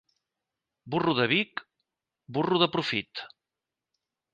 Burro de Vic, burro de profit.